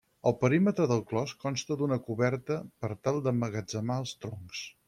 El perímetre del clos consta d'una coberta per tal d'emmagatzemar els troncs.